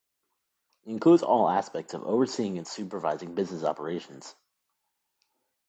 It includes all aspects of overseeing and supervising business operations.